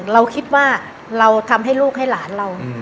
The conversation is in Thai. เราคิดว่าเราทำให้ลูกให้หลานเรา